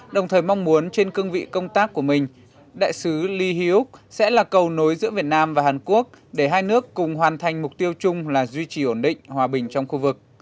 đồng thời mong muốn trên cương vị công tác của mình đại sứ li hyok sẽ là cầu nối giữa việt nam và hàn quốc để hai nước cùng hoàn thành mục tiêu chung là duy trì ổn định hòa bình trong khu vực